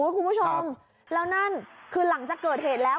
คุณผู้ชมแล้วนั่นคือหลังจากเกิดเหตุแล้ว